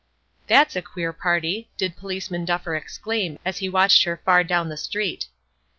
"That's a queer party!" did Policeman Duffer exclaim, as he watched her far down the street.